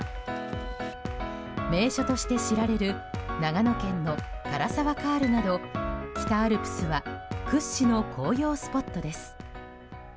名所として知られる長野県の涸沢カールなど北アルプスは屈指の紅葉スポットです。